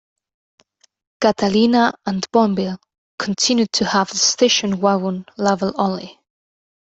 Catalina and Bonneville continued to have the station wagon label only.